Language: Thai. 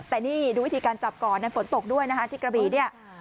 แต่นี่ดูวิธีการจับก่อนฝนตกด้วยนะคะที่กระบีเนี่ย